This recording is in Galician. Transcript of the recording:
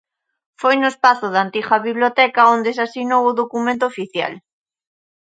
Foi no espazo da antiga biblioteca onde se asinou o documento oficial.